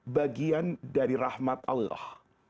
bagian dari rahmat allah